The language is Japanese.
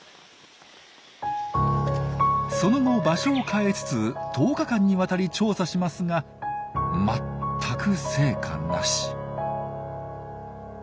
その後場所を変えつつ１０日間にわたり調査しますが全く成果なし。